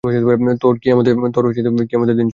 তোর কিয়ামতের দিন চলে আসছে।